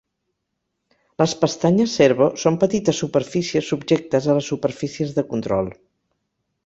Les pestanyes servo són petites superfícies subjectes a les superfícies de control.